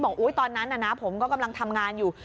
ตอนนั้นนะผมก็กำลังทำงานอยู่